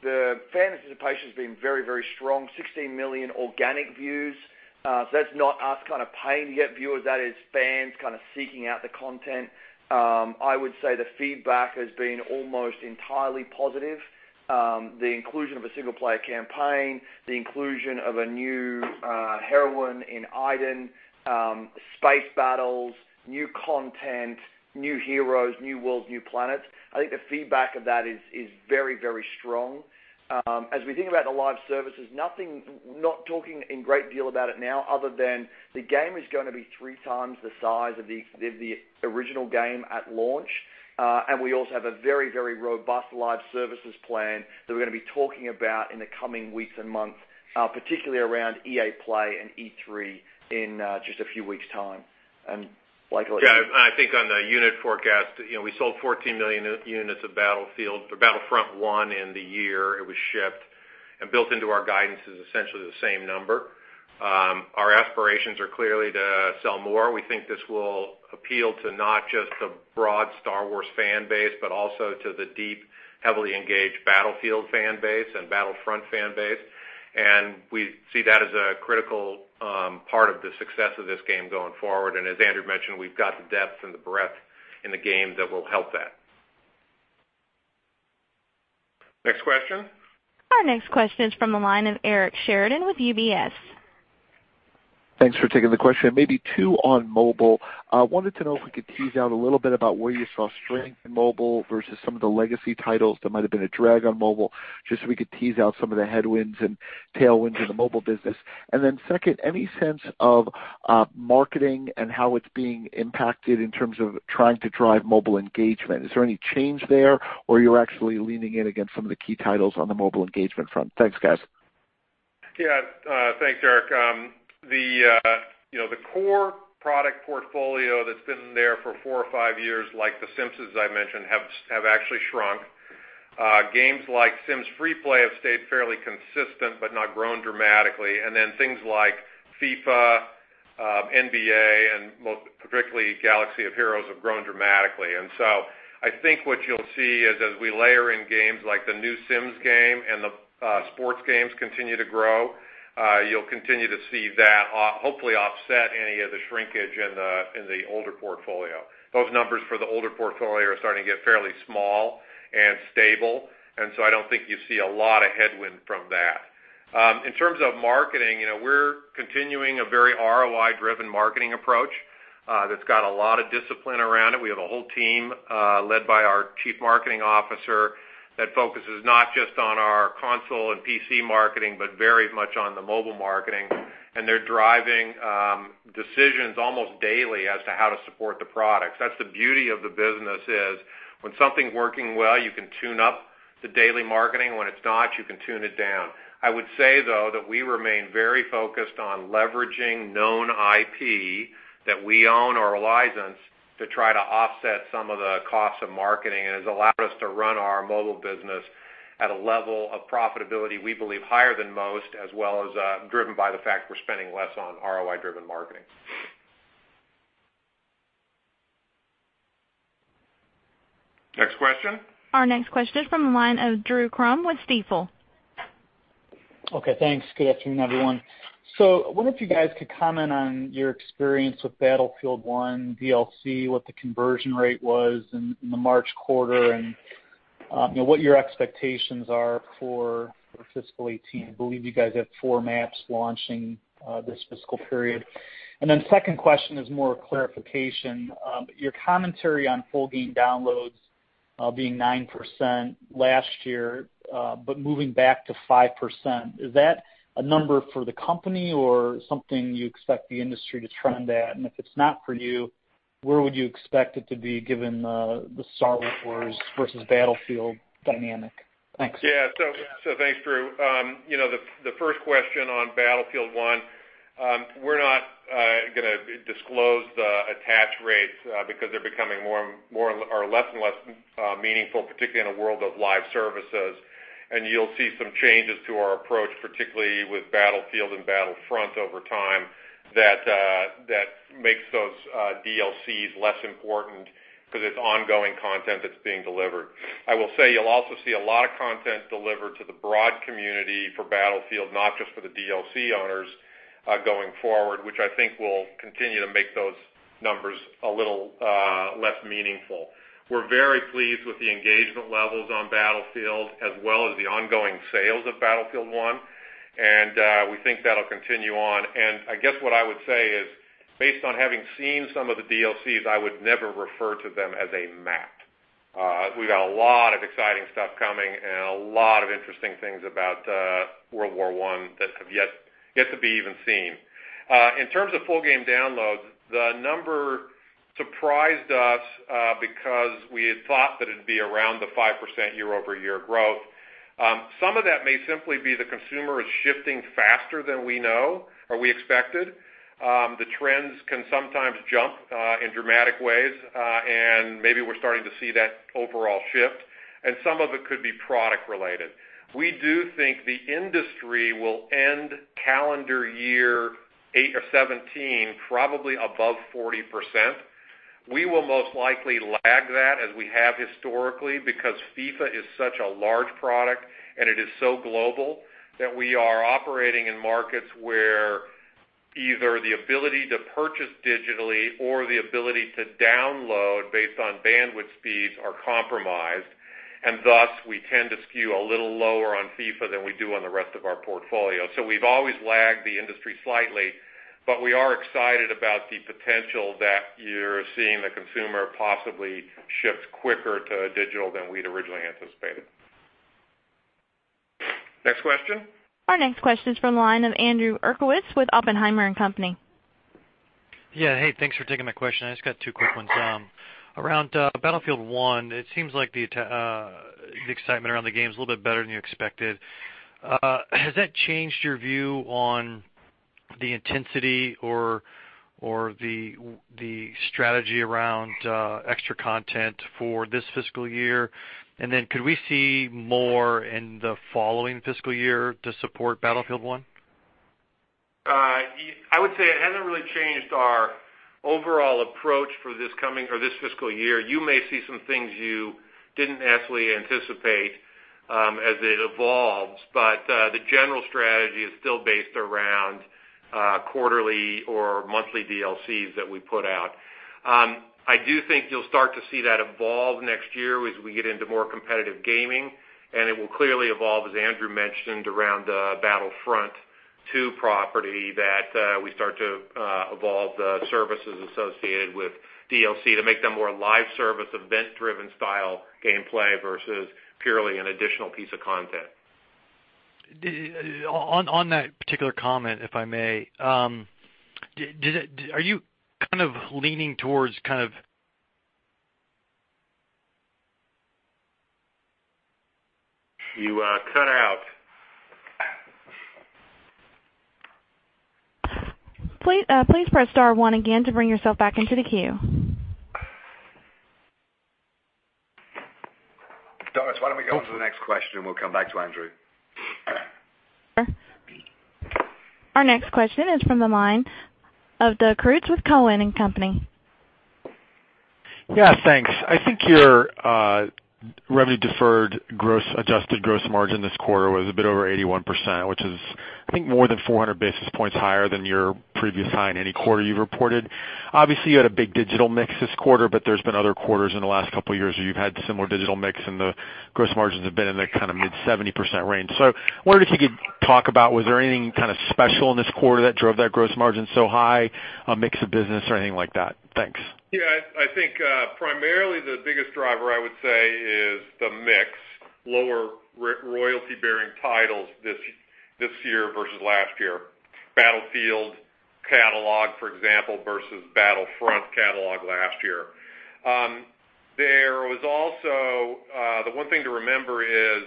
The fan anticipation has been very strong, 16 million organic views. That's not us kind of paying to get viewers. That is fans kind of seeking out the content. I would say the feedback has been almost entirely positive. The inclusion of a single-player campaign, the inclusion of a new heroine in Iden, space battles, new content, new heroes, new worlds, new planets. I think the feedback of that is very strong. As we think about the live services, not talking in great deal about it now other than the game is going to be three times the size of the original game at launch. We also have a very robust live services plan that we're going to be talking about in the coming weeks and months, particularly around EA Play and E3 in just a few weeks' time. Blake, I'll let you- Yeah, I think on the unit forecast, we sold 14 million units of Battlefield or Battlefront I in the year it was shipped. Built into our guidance is essentially the same number. Our aspirations are clearly to sell more. We think this will appeal to not just the broad Star Wars fan base, but also to the deep, heavily engaged Battlefield fan base and Battlefront fan base. We see that as a critical part of the success of this game going forward. As Andrew mentioned, we've got the depth and the breadth in the game that will help that. Next question. Our next question is from the line of Eric Sheridan with UBS. Thanks for taking the question. Maybe two on mobile. I wanted to know if we could tease out a little bit about where you saw strength in mobile versus some of the legacy titles that might've been a drag on mobile, just so we could tease out some of the headwinds and tailwinds in the mobile business. Second, any sense of marketing and how it's being impacted in terms of trying to drive mobile engagement? Is there any change there, or you're actually leaning in against some of the key titles on the mobile engagement front? Thanks, guys. Yeah. Thanks, Eric. The core product portfolio that's been there for four or five years, like The Simpsons I mentioned, have actually shrunk. Games like The Sims FreePlay have stayed fairly consistent but not grown dramatically. Things like FIFA, NBA, and most particularly, Star Wars: Galaxy of Heroes have grown dramatically. I think what you'll see is as we layer in games like the new Sims game and the sports games continue to grow, you'll continue to see that hopefully offset any of the shrinkage in the older portfolio. Those numbers for the older portfolio are starting to get fairly small and stable. I don't think you see a lot of headwind from that. In terms of marketing, we're continuing a very ROI-driven marketing approach that's got a lot of discipline around it. We have a whole team led by our chief marketing officer that focuses not just on our console and PC marketing, but very much on the mobile marketing. They're driving decisions almost daily as to how to support the products. That's the beauty of the business is when something's working well, you can tune up the daily marketing. When it's not, you can tune it down. I would say, though, that we remain very focused on leveraging known IP that we own or license to try to offset some of the costs of marketing, has allowed us to run our mobile business at a level of profitability we believe higher than most, as well as driven by the fact we're spending less on ROI-driven marketing. Next question. Our next question is from the line of Drew Crum with Stifel. Okay, thanks. Good afternoon, everyone. I wonder if you guys could comment on your experience with Battlefield 1 DLC, what the conversion rate was in the March quarter, and what your expectations are for fiscal 2018. I believe you guys have four maps launching this fiscal period. Second question is more a clarification. Your commentary on full game downloads being 9% last year, but moving back to 5%, is that a number for the company or something you expect the industry to trend at? If it's not for you, where would you expect it to be given the Star Wars versus Battlefield dynamic? Thanks. Thanks, Drew. The first question on Battlefield 1, we're not going to disclose the attach rates because they're becoming less and less meaningful, particularly in a world of live services. You'll see some changes to our approach, particularly with Battlefield and Battlefront over time that makes those DLCs less important because it's ongoing content that's being delivered. I will say you'll also see a lot of content delivered to the broad community for Battlefield, not just for the DLC owners going forward, which I think will continue to make those numbers a little less meaningful. We're very pleased with the engagement levels on Battlefield as well as the ongoing sales of Battlefield 1, and we think that'll continue on. I guess what I would say is based on having seen some of the DLCs, I would never refer to them as a map. We've got a lot of exciting stuff coming and a lot of interesting things about World War I that have yet to be even seen. In terms of full game downloads, the number surprised us because we had thought that it'd be around the 5% year-over-year growth. Some of that may simply be the consumer is shifting faster than we know or we expected. The trends can sometimes jump in dramatic ways, and maybe we're starting to see that overall shift. Some of it could be product related. We do think the industry will end calendar year 2017 probably above 40%. We will most likely lag that as we have historically because FIFA is such a large product and it is so global that we are operating in markets where either the ability to purchase digitally or the ability to download based on bandwidth speeds are compromised. Thus, we tend to skew a little lower on FIFA than we do on the rest of our portfolio. We've always lagged the industry slightly, but we are excited about the potential that you're seeing the consumer possibly shift quicker to digital than we'd originally anticipated. Next question. Our next question is from the line of Andrew Uerkwitz with Oppenheimer & Co.. Yeah. Hey, thanks for taking my question. I just got two quick ones. Around Battlefield 1, it seems like the excitement around the game is a little bit better than you expected. Has that changed your view on the intensity or the strategy around extra content for this fiscal year. Could we see more in the following fiscal year to support Battlefield 1? I would say it hasn't really changed our overall approach for this fiscal year. You may see some things you didn't necessarily anticipate as it evolves, but the general strategy is still based around quarterly or monthly DLCs that we put out. I do think you'll start to see that evolve next year as we get into more competitive gaming, and it will clearly evolve, as Andrew mentioned, around the Battlefront 2 property that we start to evolve the services associated with DLC to make them more live service, event-driven style gameplay versus purely an additional piece of content. On that particular comment, if I may, are you kind of leaning towards kind of You cut out. Please press star one again to bring yourself back into the queue. Doris, why don't we go on to the next question? We'll come back to Andrew. Our next question is from the line of Doug Creutz with Cowen and Company. Yeah, thanks. I think your revenue deferred adjusted gross margin this quarter was a bit over 81%, which is, I think, more than 400 basis points higher than your previous high in any quarter you've reported. Obviously, you had a big digital mix this quarter, but there's been other quarters in the last couple of years where you've had similar digital mix, and the gross margins have been in the kind of mid-70% range. I wondered if you could talk about, was there anything kind of special in this quarter that drove that gross margin so high, a mix of business or anything like that? Thanks. Yeah, I think primarily the biggest driver, I would say, is the mix. Lower royalty-bearing titles this year versus last year. Battlefield catalog, for example, versus Battlefront catalog last year. The one thing to remember is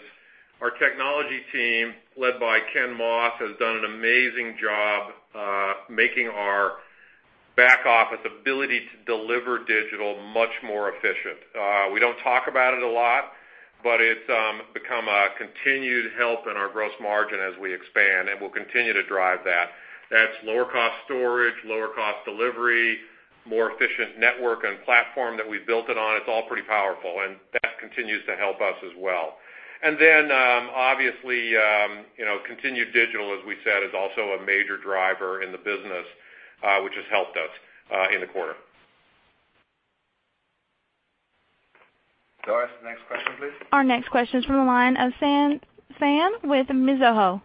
our technology team, led by Ken Moss, has done an amazing job making our back-office ability to deliver digital much more efficient. We don't talk about it a lot, but it's become a continued help in our gross margin as we expand, and we'll continue to drive that. That's lower cost storage, lower cost delivery, more efficient network and platform that we've built it on. It's all pretty powerful, and that continues to help us as well. Obviously, continued digital, as we said, is also a major driver in the business, which has helped us in the quarter. Doris, next question, please. Our next question is from the line of San Phan with Mizuho.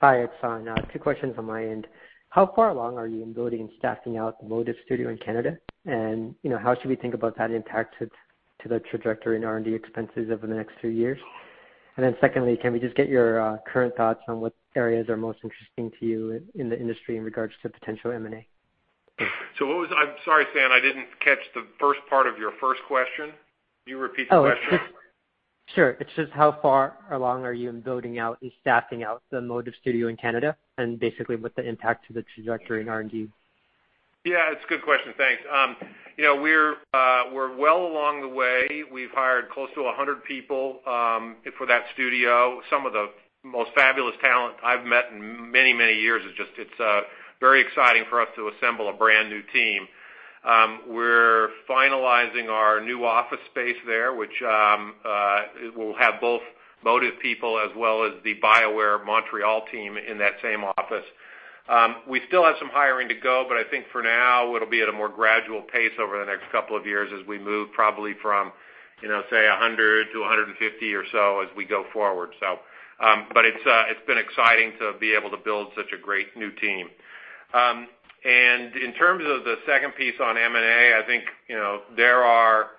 Hi, it's San. Two questions on my end. How far along are you in building and staffing out the Motive Studio in Canada? How should we think about that impact to the trajectory in R&D expenses over the next few years? Secondly, can we just get your current thoughts on what areas are most interesting to you in the industry in regards to potential M&A? I'm sorry, San, I didn't catch the first part of your first question. Can you repeat the question? Sure. It's just how far along are you in building out and staffing out the Motive Studio in Canada, and basically what the impact to the trajectory in R&D? It's a good question. Thanks. We're well along the way. We've hired close to 100 people for that studio. Some of the most fabulous talent I've met in many, many years. It's very exciting for us to assemble a brand-new team. We're finalizing our new office space there, which will have both Motive people as well as the BioWare Montreal team in that same office. We still have some hiring to go, I think for now, it'll be at a more gradual pace over the next two years as we move probably from say 100 to 150 or so as we go forward. It's been exciting to be able to build such a great new team. In terms of the second piece on M&A, I think there are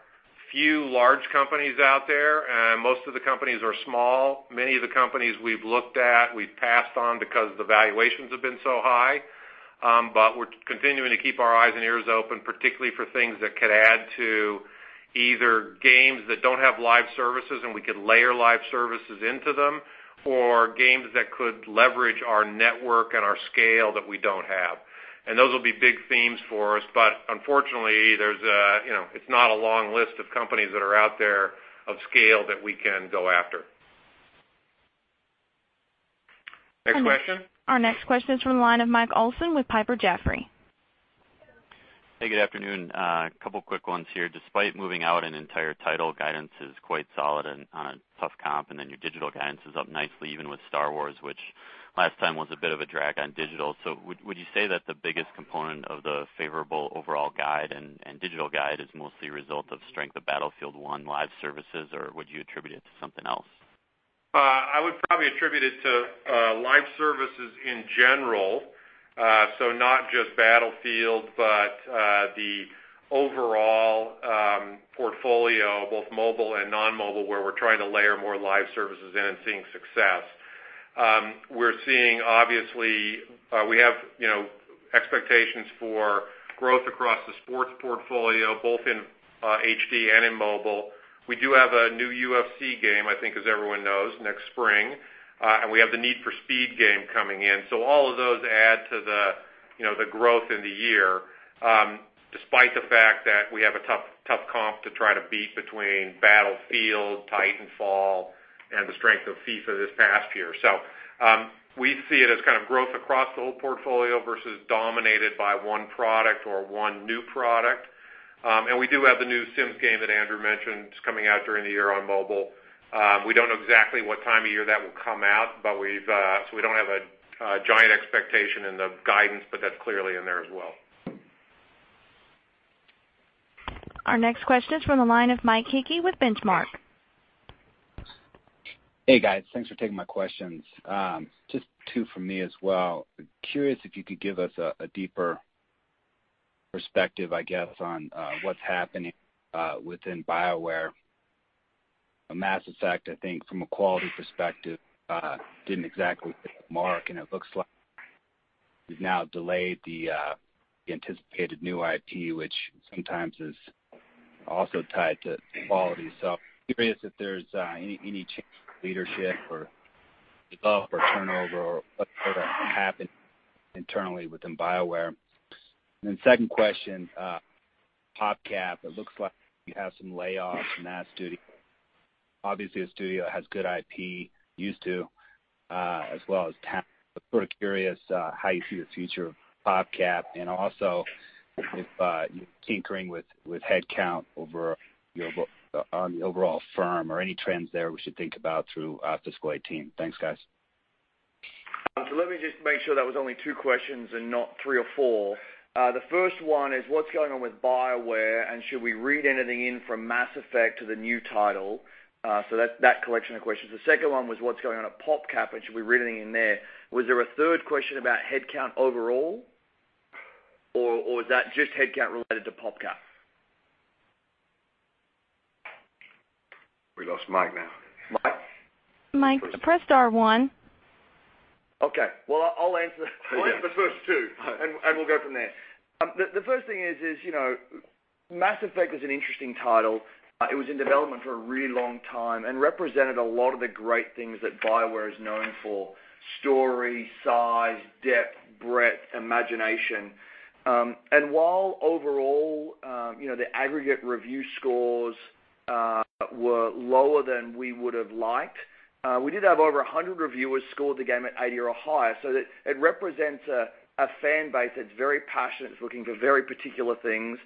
few large companies out there. Most of the companies are small. Many of the companies we've looked at, we've passed on because the valuations have been so high. We're continuing to keep our eyes and ears open, particularly for things that could add to either games that don't have live services, and we could layer live services into them, or games that could leverage our network and our scale that we don't have. Those will be big themes for us. Unfortunately, it's not a long list of companies that are out there of scale that we can go after. Next question. Our next question is from the line of Mike Olson with Piper Jaffray. Hey, good afternoon. A couple of quick ones here. Despite moving out an entire title, guidance is quite solid and on a tough comp, your digital guidance is up nicely even with Star Wars, which last time was a bit of a drag on digital. Would you say that the biggest component of the favorable overall guide and digital guide is mostly a result of strength of Battlefield 1 live services, or would you attribute it to something else? I would probably attribute it to live services in general. Not just Battlefield, but the overall portfolio, both mobile and non-mobile, where we're trying to layer more live services in and seeing success. We have expectations for growth across the sports portfolio, both in HD and in mobile. We do have a new UFC game, I think as everyone knows, next spring. We have the Need for Speed game coming in. All of those add to the growth in the year, despite the fact that we have a tough comp to try to beat between Battlefield, Titanfall, and the strength of FIFA this past year. We see it as kind of growth across the whole portfolio versus dominated by one product or one new product. We do have the new Sims game that Andrew mentioned coming out during the year on mobile. We don't know exactly what time of year that will come out, so we don't have a giant expectation in the guidance, but that's clearly in there as well. Our next question is from the line of Mike Hickey with Benchmark. Hey, guys. Thanks for taking my questions. Just two from me as well. Curious if you could give us a deeper perspective, I guess, on what's happening within BioWare. Mass Effect, I think from a quality perspective, didn't exactly hit the mark, and it looks like you've now delayed the anticipated new IP, which sometimes is also tied to quality. Curious if there's any change in leadership or turnover or what happened internally within BioWare. Second question, PopCap, it looks like you have some layoffs in that studio. Obviously, the studio has good IP, used to, as well as talent. I'm sort of curious how you see the future of PopCap, and also if you're tinkering with headcount on the overall firm or any trends there we should think about through fiscal 2018. Thanks, guys. Let me just make sure that was only two questions and not three or four. The first one is what's going on with BioWare, and should we read anything in from Mass Effect to the new title? That collection of questions. The second one was what's going on at PopCap, and should we read anything in there? Was there a third question about headcount overall, or was that just headcount related to PopCap? We lost Mike now. Mike? Mike, press star one. Okay. Well, I'll answer the first two, and we'll go from there. The first thing is, Mass Effect was an interesting title. It was in development for a really long time and represented a lot of the great things that BioWare is known for, story, size, depth, breadth, imagination. While overall the aggregate review scores were lower than we would have liked, we did have over 100 reviewers score the game at 80 or higher. It represents a fan base that's very passionate, looking for very particular things,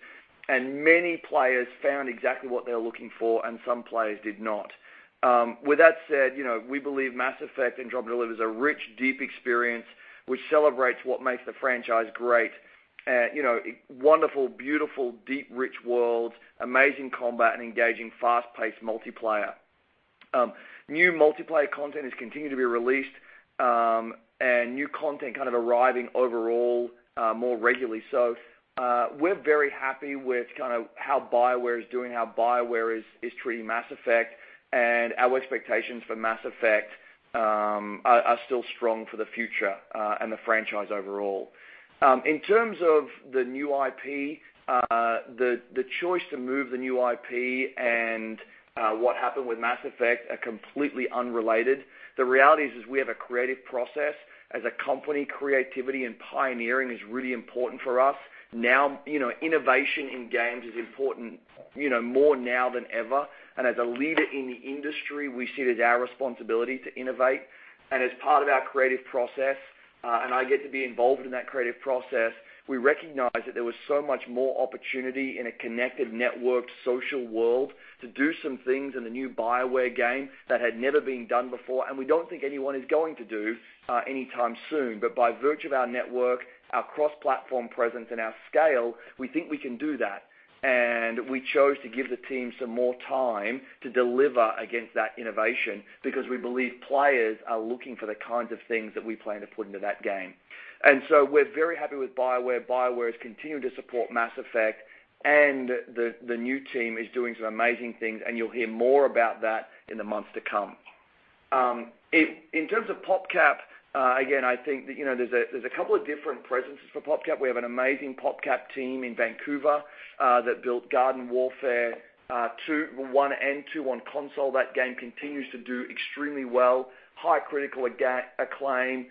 and many players found exactly what they were looking for, and some players did not. With that said, we believe Mass Effect: Andromeda delivers a rich, deep experience which celebrates what makes the franchise great. Wonderful, beautiful, deep, rich world, amazing combat, and engaging, fast-paced multiplayer. New multiplayer content is continuing to be released, and new content kind of arriving overall more regularly. We're very happy with kind of how BioWare is doing, how BioWare is treating Mass Effect, and our expectations for Mass Effect are still strong for the future and the franchise overall. In terms of the new IP, the choice to move the new IP and what happened with Mass Effect are completely unrelated. The reality is we have a creative process. As a company, creativity and pioneering is really important for us. Now, innovation in games is important more now than ever. As a leader in the industry, we see it as our responsibility to innovate. As part of our creative process, and I get to be involved in that creative process, we recognize that there was so much more opportunity in a connected, networked social world to do some things in the new BioWare game that had never been done before, and we don't think anyone is going to do anytime soon. By virtue of our network, our cross-platform presence, and our scale, we think we can do that. We chose to give the team some more time to deliver against that innovation because we believe players are looking for the kinds of things that we plan to put into that game. We're very happy with BioWare. BioWare is continuing to support Mass Effect, and the new team is doing some amazing things, and you'll hear more about that in the months to come. In terms of PopCap, again, I think there's a couple of different presences for PopCap. We have an amazing PopCap team in Vancouver that built Garden Warfare 1 and 2 on console. That game continues to do extremely well, high critical acclaim,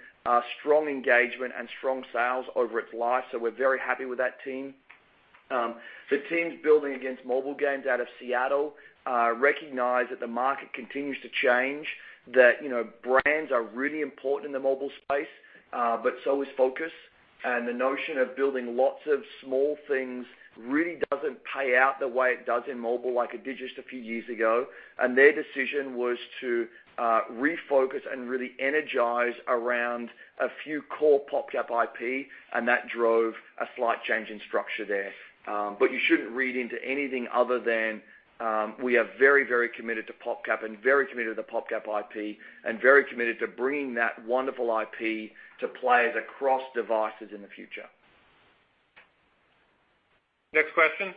strong engagement, and strong sales over its life. We're very happy with that team. The teams building against mobile games out of Seattle recognize that the market continues to change, that brands are really important in the mobile space, but so is focus. The notion of building lots of small things really doesn't pay out the way it does in mobile like it did just a few years ago. Their decision was to refocus and really energize around a few core PopCap IP, and that drove a slight change in structure there. You shouldn't read into anything other than we are very, very committed to PopCap and very committed to PopCap IP and very committed to bringing that wonderful IP to players across devices in the future. Next question.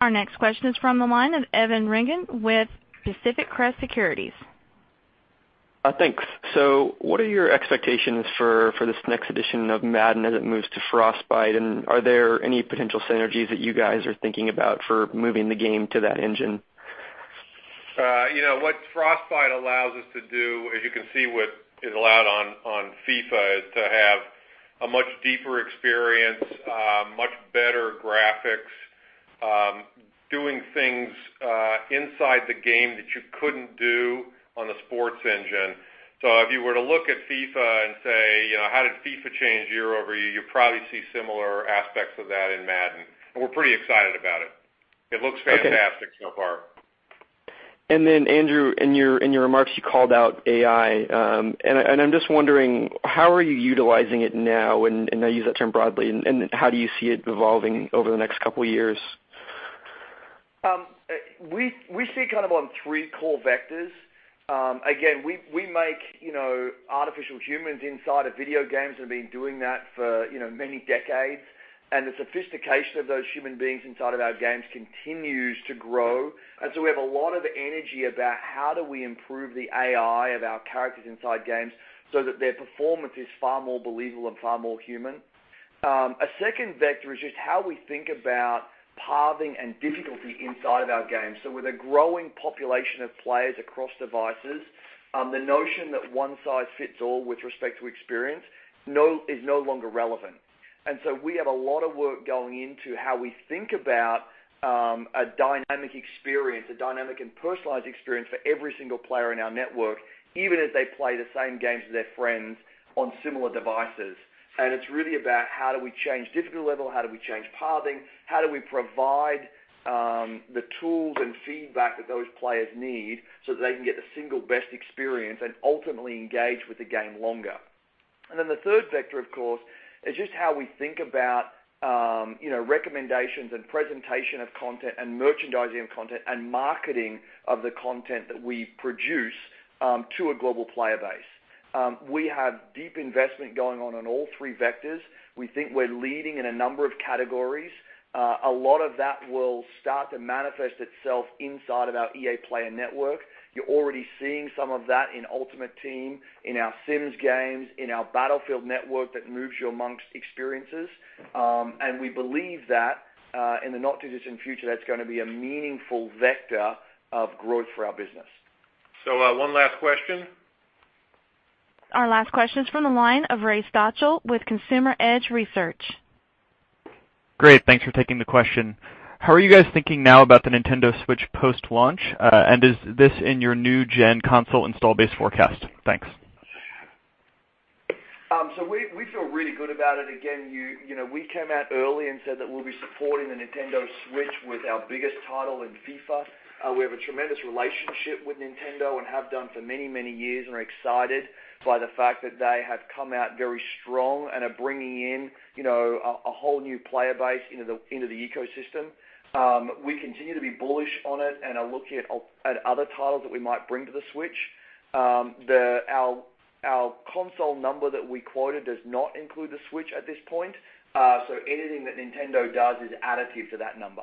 Our next question is from the line of Evan Wingren with Pacific Crest Securities. Thanks. What are your expectations for this next edition of Madden as it moves to Frostbite? Are there any potential synergies that you guys are thinking about for moving the game to that engine? What Frostbite allows us to do, as you can see what it allowed on FIFA, is to have a much deeper experience, much better graphics, doing things inside the game that you couldn't do on a sports engine. If you were to look at FIFA and say, "How did FIFA change year-over-year?" You'd probably see similar aspects of that in Madden. We're pretty excited about it. It looks fantastic so far. Andrew, in your remarks, you called out AI. I'm just wondering, how are you utilizing it now? I use that term broadly. How do you see it evolving over the next couple of years? We see kind of on three core vectors. Again, we make artificial humans inside of video games and have been doing that for many decades. The sophistication of those human beings inside of our games continues to grow. We have a lot of energy about how do we improve the AI of our characters inside games so that their performance is far more believable and far more human. A second vector is just how we think about pathing and difficulty inside of our games. With a growing population of players across devices, the notion that one size fits all with respect to experience is no longer relevant. We have a lot of work going into how we think about a dynamic experience, a dynamic and personalized experience for every single player in our network, even as they play the same games as their friends on similar devices. It's really about how do we change difficulty level, how do we change pathing, how do we provide the tools and feedback that those players need so that they can get the single best experience and ultimately engage with the game longer. The third vector, of course, is just how we think about recommendations and presentation of content and merchandising of content and marketing of the content that we produce to a global player base. We have deep investment going on in all three vectors. We think we're leading in a number of categories. A lot of that will start to manifest itself inside of our EA Player Network. You're already seeing some of that in Ultimate Team, in our Sims games, in our Battlefield Network that moves you amongst experiences. We believe that in the not-too-distant future, that's going to be a meaningful vector of growth for our business. One last question. Our last question is from the line of Raymond Stochel with Consumer Edge Research. Great, thanks for taking the question. How are you guys thinking now about the Nintendo Switch post-launch? Is this in your new gen console install base forecast? Thanks. We feel really good about it. Again, we came out early and said that we'll be supporting the Nintendo Switch with our biggest title in FIFA. We have a tremendous relationship with Nintendo and have done for many, many years and are excited by the fact that they have come out very strong and are bringing in a whole new player base into the ecosystem. We continue to be bullish on it and are looking at other titles that we might bring to the Switch. Our console number that we quoted does not include the Switch at this point. Anything that Nintendo does is additive to that number.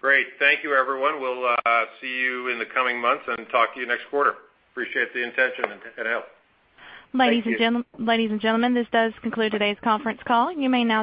Great. Thank you, everyone. We'll see you in the coming months and talk to you next quarter. Appreciate the attention and help. Ladies and gentlemen, this does conclude today's conference call. You may now disconnect.